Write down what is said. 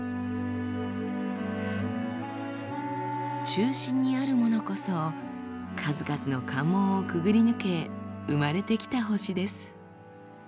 中心にあるものこそ数々の関門をくぐり抜け生まれてきた星です。